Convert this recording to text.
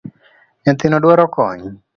Nyathino dwaro kony